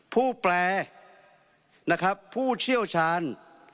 แปลนะครับผู้เชี่ยวชาญ